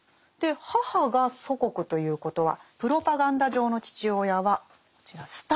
母が祖国ということはプロパガンダ上の父親はこちらスターリンだったわけです。